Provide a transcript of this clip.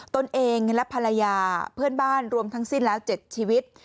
ตนเองและภรรยาเพื่อนบ้านรวมทั้งสิ้นแล้ว๗ชีวิต